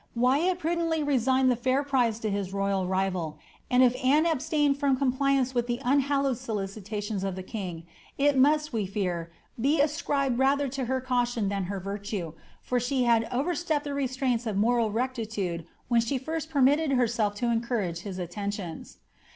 Wyatt prudently resigned the fair prize to bis royal rival, and if Anne abstained from compliance with the unhal* lowed solicitations of the king, it must, we fear, be ascribed rather to ber caution than her virtue, for she had overstepped the restraints of motal rectitude when she first permitted herself to encourage his atten tioDS.